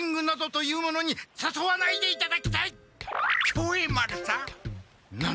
協栄丸さん。